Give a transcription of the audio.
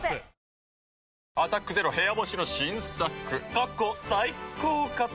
過去最高かと。